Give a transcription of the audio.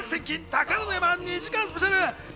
宝の山』２時間スペシャル。